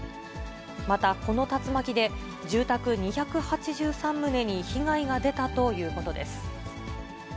またこの竜巻で、住宅２８３棟に被害が出たということです。